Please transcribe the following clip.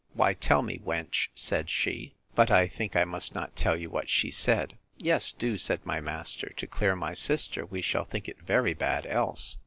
Why, tell me, wench, said she—But I think I must not tell you what she said. Yes, do, said my master, to clear my sister; we shall think it very bad else.